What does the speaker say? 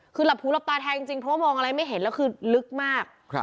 คือหลับหูหลับตาแทงจริงเพราะว่ามองอะไรไม่เห็นแล้วคือลึกมาก